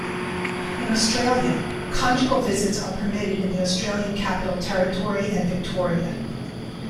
In Australia, conjugal visits are permitted in the Australian Capital Territory and Victoria.